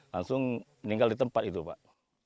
langsung meninggal di tempat itu pak